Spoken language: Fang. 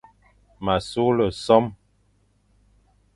M a sughle sôm.